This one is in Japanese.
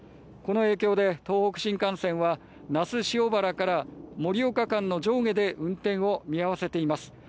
この影響で東北新幹線は那須塩原から盛岡間の上下で運転を見合わせています。